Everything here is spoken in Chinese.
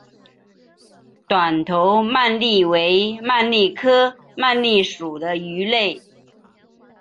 短头鳗鲡为鳗鲡科鳗鲡属的鱼类。